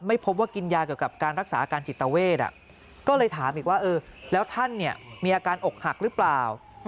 พบว่ากินยาเกี่ยวกับการรักษาอาการจิตเวทก็เลยถามอีกว่าเออแล้วท่านมีอาการอกหักหรือเปล่า